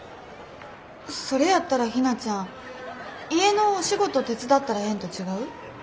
それやったらひなちゃん家のお仕事手伝ったらええんと違う？